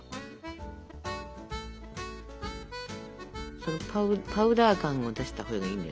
そのパウダー感を出したほうがいいんだよ。